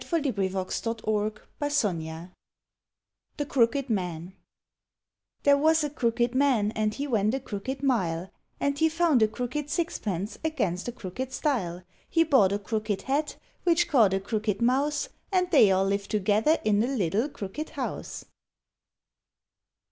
McLOUGHLIN BRO'S 30 BEEKMAN St There was a crooked man, and he went a crooked mile, And he found a crooked six pence against a crooked stile; He bought a crooked cat, which caught a crooked mouse, And they all lived together in a little crooked house.